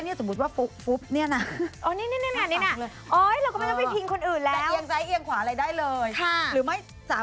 พี่เวลาขึ้นเครื่อง